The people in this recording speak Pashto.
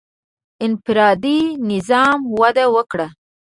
• انفرادي نظام وده وکړه.